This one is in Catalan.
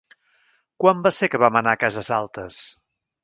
Quan va ser que vam anar a Cases Altes?